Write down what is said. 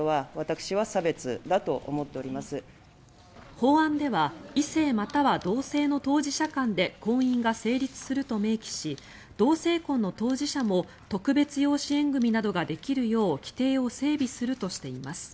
法案では異性または同性の当事者間で婚姻が成立すると明記し同性婚の当事者も特別養子縁組などができるよう規定を整備するとしています。